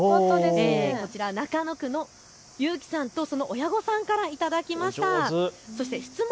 こちら中野区のゆうきさんとその親御さんから頂きました。